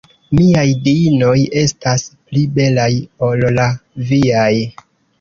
Miaj Diinoj estas pli belaj ol la viaj.